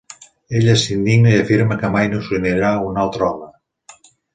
Ella s'indigna i afirma que mai no s'unirà a un altre home.